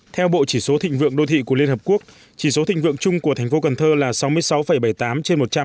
theo bộ chỉ số thịnh vượng đô thị của liên hợp quốc chỉ số thịnh vượng chung của thành phố cần thơ là sáu mươi sáu bảy mươi tám trên một trăm linh